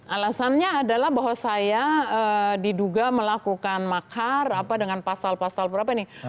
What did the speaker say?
alasannya adalah bahwa saya diduga melakukan makar dengan pasal pasal berapa nih